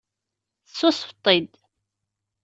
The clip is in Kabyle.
Tessusef-it-id.